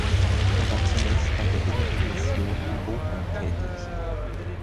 Er war zunächst bei der Inneren Mission in Bochum tätig.